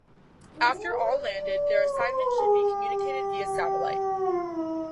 After all landed, their assignment should be communicated via satellite.